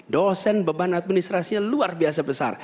dosen beban administrasinya luar biasa besar